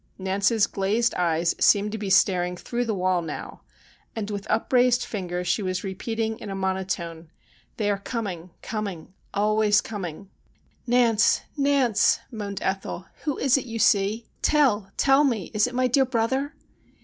Nance's glazed eyes seemed to be staring through the wall now, and with upraised finger she was repeating in a monotone :' They are coming, coming — always coming.' THE UNBIDDEN GUEST 113 ' Nance, Nance !' moaned Ethel, ' who is it you see ? Tell, tell me, is it my dear brother